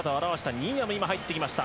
新谷も入ってきました。